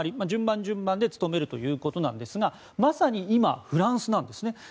順番順番で務めるということですが今、フランスなんですね。